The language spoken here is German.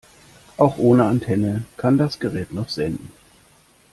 Auch ohne Antenne kann das Gerät noch senden.